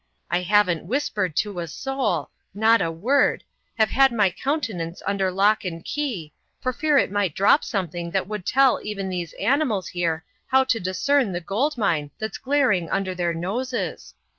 I haven't whispered to a soul not a word have had my countenance under lock and key, for fear it might drop something that would tell even these animals here how to discern the gold mine that's glaring under their noses.